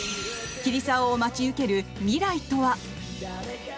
桐沢を待ち受ける未来とは？